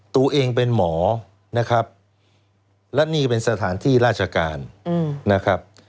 ตัวเองเป็นหมอนะครับและนี่เป็นสถานที่ราชการนะครับ